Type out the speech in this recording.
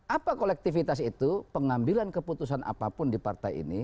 apa kolektivitas itu pengambilan keputusan apapun di partai ini